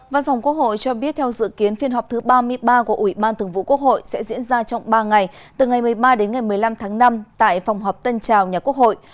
văn phòng quốc hội cho biết theo dự kiến phiên họp thứ ba mươi ba của ủy ban thường vụ quốc hội sẽ diễn ra trong ba ngày từ ngày một mươi ba đến ngày một mươi năm tháng năm tại phòng họp tân trào nhà quốc hội